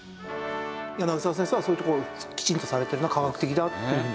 柳沢先生はそういうところきちんとされてるな科学的だっていうふうに。